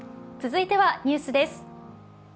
続いてはニュースです。